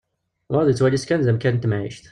Wayeḍ yettwali-tt kan d amkan n temɛict.